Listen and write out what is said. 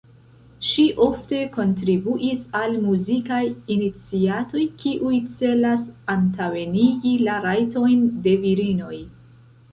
Ŝi ofte kontribuis al muzikaj iniciatoj kiuj celas antaŭenigi la rajtojn de virinoj.